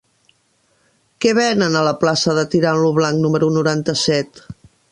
Què venen a la plaça de Tirant lo Blanc número noranta-set?